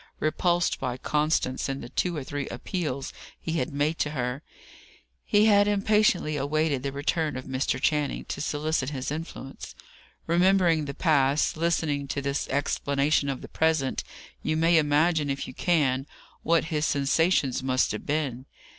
Repulsed by Constance in the two or three appeals he had made to her, he had impatiently awaited the return of Mr. Channing, to solicit his influence. Remembering the past, listening to this explanation of the present, you may imagine, if you can, what his sensations must have been.